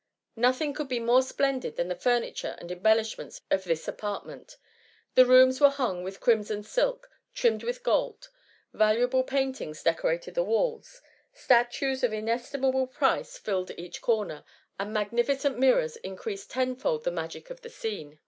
Nothing could be more splendid than the furniture and embellish* ments of this apartment. The rooms were hung with crimson silk, trimmed with gold ; valuable paintings decorated the walls ; statues of ines timable price filled each comer, and magnificent mirrors increased tenfold the magic of the scene.